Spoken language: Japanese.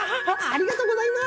ありがとうございます！